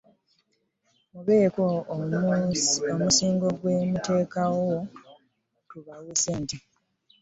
Mubeeko omusingo gwe muteekawo tubawe ssente.